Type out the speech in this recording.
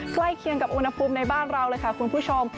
เคียงกับอุณหภูมิในบ้านเราเลยค่ะคุณผู้ชม